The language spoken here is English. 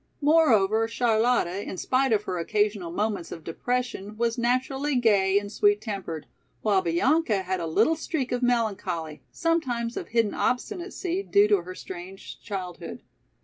Moreover, Charlotta, in spite of her occasional moments of depression was naturally gay and sweet tempered, while Bianca had a little streak of melancholy, sometimes of hidden obstinacy due to her strange childhood.